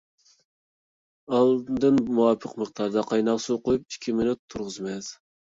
ئاندىن مۇۋاپىق مىقداردا قايناق سۇ قۇيۇپ، ئىككى مىنۇت تۇرغۇزىمىز.